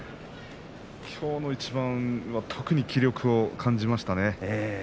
きょうの一番は特に気力を感じましたね。